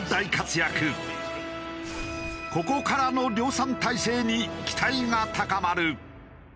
ここからの量産態勢に期待が高まる。